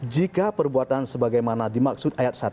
jika perbuatan sebagaimana dimaksud ayat satu